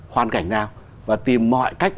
hoàn cảnh nào và tìm mọi cách